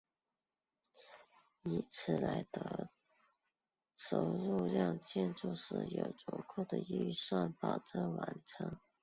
以此得来的收入让建筑师有足够的预算保证成事。